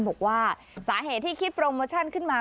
บอกว่าสาเหตุที่คิดโปรโมชั่นขึ้นมา